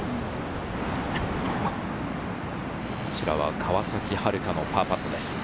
こちらは川崎春花のパーパットです。